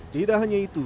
tidak hanya itu